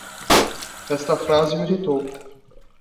Esta frase o irritou